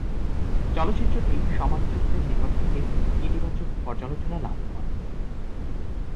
চলচ্চিত্রটি সমালোচকদের নিকট থেকে ইতিবাচক পর্যালোচনা লাভ করে।